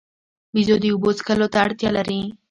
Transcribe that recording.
بیزو د اوبو څښلو ته اړتیا لري.